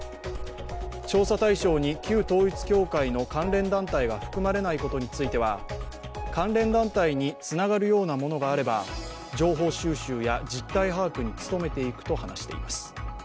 調査対象に旧統一教会の関連団体が含まれないことについては関連団体につながるようなものがあれば、情報収集や実態把握に努めていくと話しています。